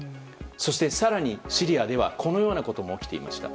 そして、更にシリアではこのようなことも起きていました。